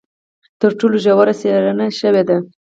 تر ټولو ژوره څېړنه شوې ده.